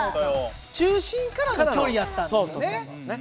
中心からの距離やったんですよね。